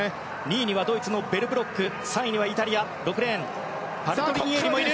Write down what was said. ２位にはドイツのベルブロック３位にはイタリアのパルトリニエリ。